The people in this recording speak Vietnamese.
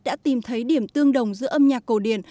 đã tìm thấy điểm tương đồng giữa âm nhạc cổ điển